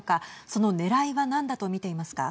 そのねらいは何だと見ていますか。